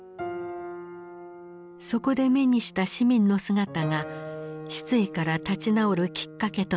そこで目にした市民の姿が失意から立ち直るきっかけとなった。